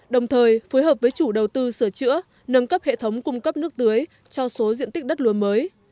đồng thời phối hợp với chủ đầu tư sửa chữa nâng cấp hệ thống cung cấp nước tưới cho số diện tích đất lúa mới